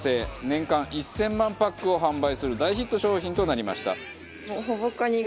年間１０００万パックを販売する大ヒット商品となりました。